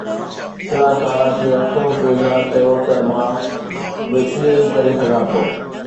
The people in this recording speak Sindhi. ڪلاسارا کي افسوس جو اظهار ڪيو ته مان به ائين ئي ڪري سگهان ٿو.